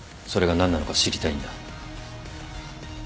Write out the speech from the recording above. それが何なのか知りたいんだ